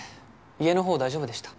家のほう大丈夫でした？